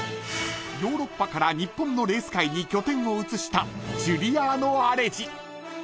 ［ヨーロッパから日本のレース界に拠点を移したジュリアーノ・アレジ］